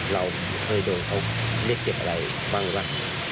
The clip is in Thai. เราเคยดูเขาเมียเก็บอะไรบ้างหรือเปล่า